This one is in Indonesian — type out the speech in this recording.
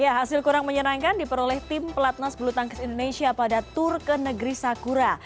ya hasil kurang menyenangkan diperoleh tim pelatnas bulu tangkis indonesia pada tur ke negeri sakura